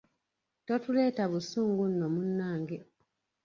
Totuleeta obusungu nno munnange!